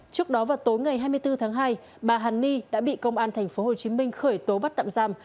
trước đó vào tối ngày hai mươi bốn tháng hai bà hàn ni đã bị công an tp hcm khởi tố bắt tạm giam